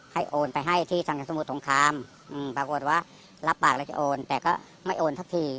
โอนไปให้ที่ทางสมุทรสงครามปรากฏว่ารับปากแล้วจะโอนแต่ก็ไม่โอนสักที